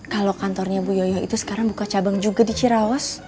kalau kantornya bu yoyo itu sekarang buka cabang juga di cirawas